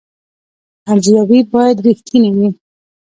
ارزیابي باید رښتینې وي